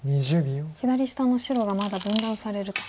左下の白がまだ分断されると。